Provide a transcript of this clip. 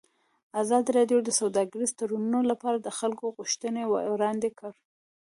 ازادي راډیو د سوداګریز تړونونه لپاره د خلکو غوښتنې وړاندې کړي.